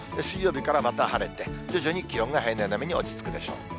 水曜日からまた晴れて、徐々に気温が平年並みに落ち着くでしょう。